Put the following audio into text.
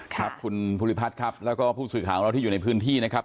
ครับคุณภูริพัฒน์ครับแล้วก็ผู้สื่อข่าวของเราที่อยู่ในพื้นที่นะครับ